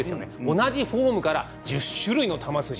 同じフォームから１０種類の球筋。